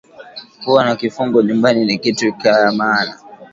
Kuwa na kifugo nyumbani ni kitu kya maana